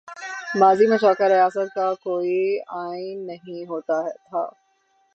ماضی میں چونکہ ریاست کا کوئی آئین نہیں ہوتا تھا۔